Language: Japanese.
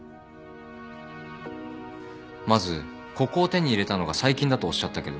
まずここを手に入れたのが最近だとおっしゃったけど。